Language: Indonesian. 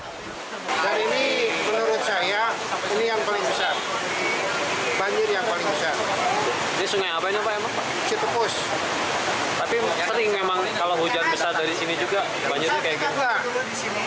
tapi sering memang kalau hujan besar dari sini juga banjirnya kayak gini